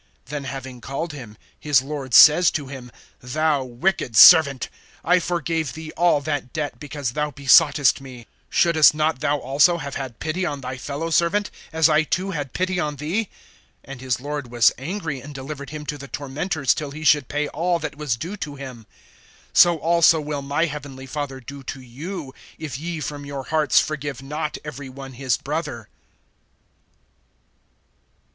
(32)Then having called him, his lord says to him: Thou wicked servant; I forgave thee all that debt, because thou besoughtest me. (33)Shouldest not thou also have had pity on thy fellow servant, as I too had pity on thee? (34)And his lord was angry, and delivered him to the tormentors, till he should pay all that was due to him. (35)So also will my heavenly Father do to you, if ye from your hearts forgive not every one his brother.